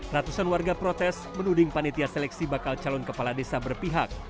ratusan warga protes menuding panitia seleksi bakal calon kepala desa berpihak